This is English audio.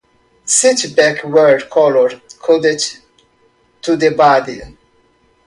Seat backs were colour-coded to the body.